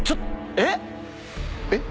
えっ？えっ？